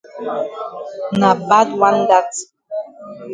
Na bad wan dat.